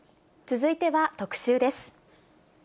続いては特集です。